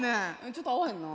ちょっと合わへんな。